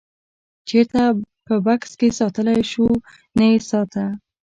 چېرته په بکس کې ساتلی شوو نه یې ساته.